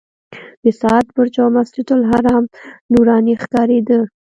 د ساعت برج او مسجدالحرام نوراني ښکارېده.